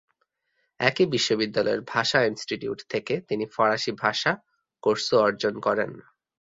একই বিশ্ববিদ্যালয়ের ভাষা ইনস্টিটিউট থেকে তিনি ফরাসি ভাষা কোর্সও অর্জন করেন।